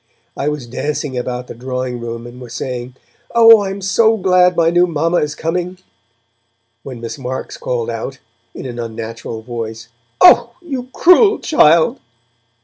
I was dancing about the drawing room, and was saying: 'Oh! I am so glad my new Mamma is coming,' when Miss Marks called out, in an unnatural voice, 'Oh! you cruel child.'